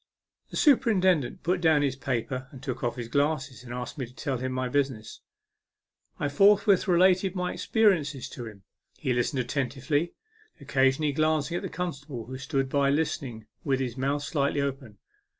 The superintendent put down his paper and took off his glasses, and asked me to tell him my business. I forthwith related my experi ences to him. He listened attentively, occa sionally glancing at the constable, who stood by listening with his mouth slightly open.